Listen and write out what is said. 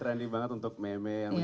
trendy banget untuk meme yang